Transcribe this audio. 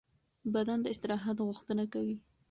بدن د استراحت غوښتنه کوي.